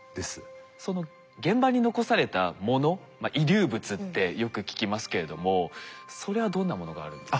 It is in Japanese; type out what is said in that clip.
その現場に残されたもの「遺留物」ってよく聞きますけれどもそれはどんなものがあるんですか？